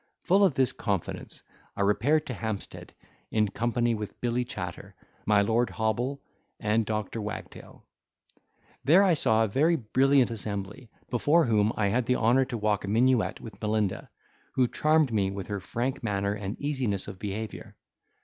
Full of this confidence I repaired to Hampstead in company with Billy Chatter, my Lord Hobble, and Doctor Wagtail. There I saw a very brilliant assembly, before whom I had the honour to walk a minuet with Melinda, who charmed me with her frank manner and easiness of behaviour.